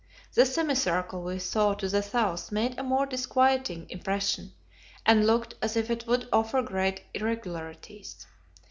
The semicircle we saw to the south made a more disquieting impression, and looked as if it would offer great irregularities.